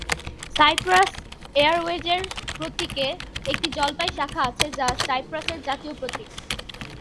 Cypress এয়ারওয়েজের প্রতীকে একটি জলপাই শাখা আছে যা সাইপ্রাসের জাতীয় প্রতীক।